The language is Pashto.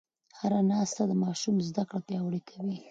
هره ناسته د ماشوم زده کړه پیاوړې کوي.